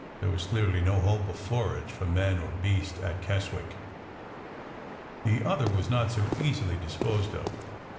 There was clearly no hope of forage for man or beast at Keswick. The other was not so easily disposed of.